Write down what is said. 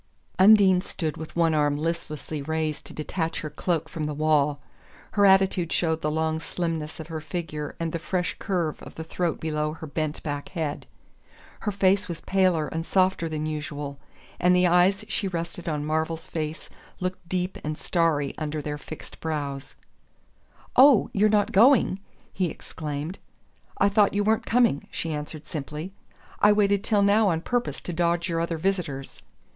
Undine stood with one arm listlessly raised to detach her cloak from the wall. Her attitude showed the long slimness of her figure and the fresh curve of the throat below her bent back head. Her face was paler and softer than usual, and the eyes she rested on Marvell's face looked deep and starry under their fixed brows. "Oh you're not going?" he exclaimed. "I thought you weren't coming," she answered simply. "I waited till now on purpose to dodge your other visitors."